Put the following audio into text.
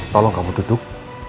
tolong kamu duduk